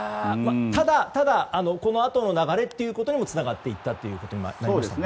ただ、このあとの流れにもつながっていったということになりましたからね。